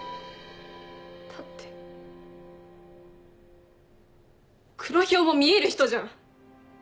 だって黒ヒョウも見える人じゃん。